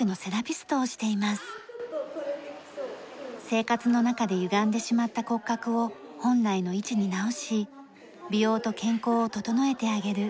生活の中でゆがんでしまった骨格を本来の位置に直し美容と健康を整えてあげる。